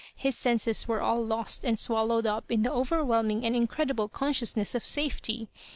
His senses were 'all lost and swallowed up in the overwhelming and incredible consciousness of safety.